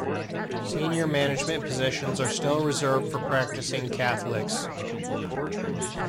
Senior management positions are still reserved for practising Catholics.